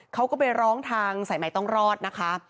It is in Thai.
เขาก็ไปร้องทางสายใหม่ต้องรอดนะคะ